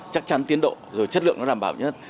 chắc chắn tiến độ rồi chất lượng nó đảm bảo nhất